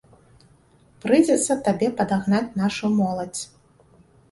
Прыйдзецца табе падагнаць нашу моладзь.